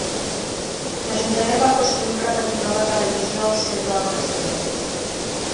L'ajuntament va construir un repetidor de televisió al centre del castell.